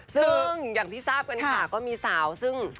ซึ่งอย่างที่ทราบกันค่ะก็มีสาวซึ่ง